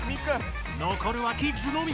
残るはキッズのみ。